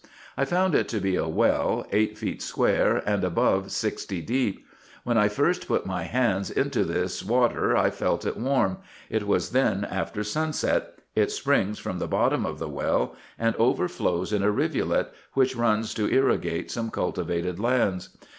I found it to be a well, eight feet square, and above sixty deep. When I first put my hands into this water I felt it warm : it was then after sunset : it springs from 422 RESEARCHES AND OPERATIONS the bottom of the well, and overflows in a rivulet, which runs to irrigate some cultivated lands.